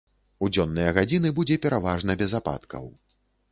У дзённыя гадзіны будзе пераважна без ападкаў.